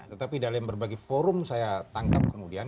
tetapi dalam berbagai forum saya tangkap kemudian